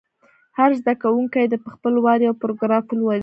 هر زده کوونکی دې په خپل وار یو پاراګراف ولولي.